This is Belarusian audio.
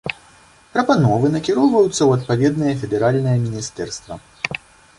Прапановы накіроўваюцца ў адпаведнае федэральнае міністэрства.